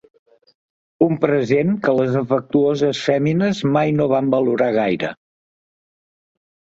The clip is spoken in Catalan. Un present que les afectuoses fèmines mai no van valorar gaire.